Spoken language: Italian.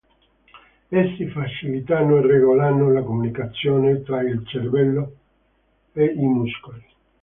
Essi facilitano e regolano la comunicazione tra il cervello e i muscoli.